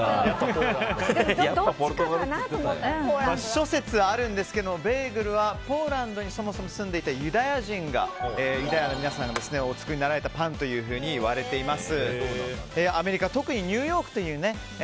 諸説あるんですけどベーグルはポーランドにそもそも住んでいたユダヤ人がユダヤの皆さんがお作りになられたパンといわれています。